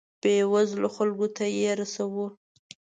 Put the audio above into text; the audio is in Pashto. بیوزلو خلکو ته یې رسوو.